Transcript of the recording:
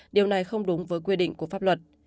điều này không đúng với quy định của pháp luật